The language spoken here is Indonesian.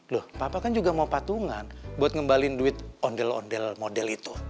loh papa kan juga mau patungan buat ngembalin duit ondel ondel model itu